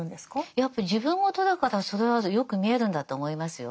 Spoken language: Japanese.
やっぱり自分ごとだからそれはよく見えるんだと思いますよ。